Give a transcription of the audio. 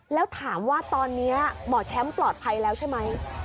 แล้วถามว่าตอนนี้หมอแชมป์ปลอดภัยแล้วใช่ไหม